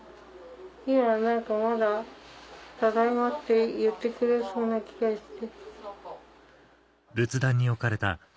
今は何かまだ「ただいま」って言ってくれそうな気がして。